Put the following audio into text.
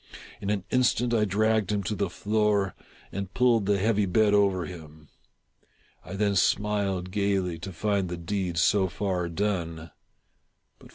In an instant I dragged him to the floor, and pulled the heavy bed over him. I then smiled gaily, to find the deed so far done. But, for THE TELL TALE HEART.